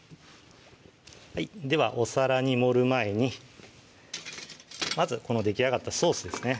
ではお皿に盛る前にまずこのできあがったソースですね